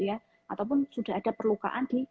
ataupun sudah ada perlukaan di